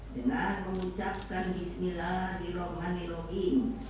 dengan mengucapkan bismillahirrahmanirrahim